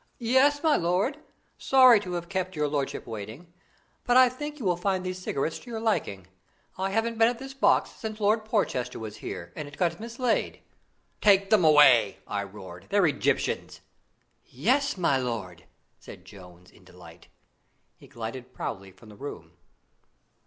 "Yes, my lord! Sorry to have kept your lordship waiting; but I think you will find these cigarettes to your liking. I haven't been at this box since Lord Porchester was here, and it got mislaid." "Take them away!" I roared. "They're Egyptians!" "Yes, my lord!" said Jones, in delight. He glided proudly from the room.